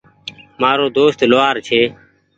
مآرو دوست لوهآر ڇي۔